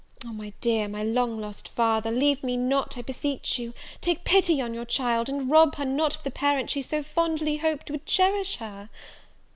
Oh, my dear, my long lost father, leave me not, I beseech you! take pity on your child, and rob her not of the parent she so fondly hoped would cherish her!"